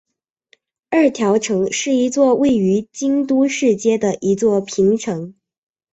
二条城是一座位于京都市街的一座平城。